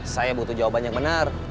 saya butuh jawaban yang benar